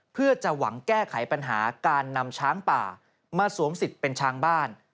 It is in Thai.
เพื่อจะหวังแก้ไขปัญหาการนำช้างป่ามาสวมสิทธิ์เป็นช้างบ้าน